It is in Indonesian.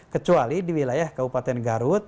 kecuali di wilayah kabupaten garut